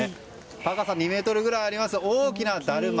高さが２ｍくらいあります大きなだるま。